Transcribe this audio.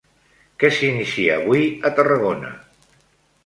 Què s'inicia avui a Tarragona?